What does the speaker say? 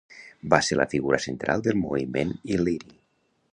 Va ser la figura central del moviment iliri.